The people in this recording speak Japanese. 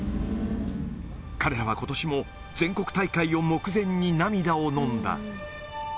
彼らはことしも全国大会を目前に涙を飲んだ。